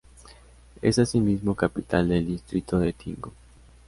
Es asimismo capital del distrito de Tingo.